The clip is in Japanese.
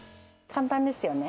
簡単ですよね。